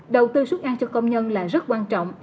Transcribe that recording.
đầu tư xuất ăn cho công nhân là rất quan trọng